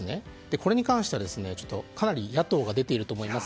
これに関しては、かなり野党が出ていると思います。